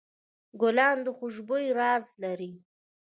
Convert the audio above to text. ګلان د خوشبویۍ راز لري.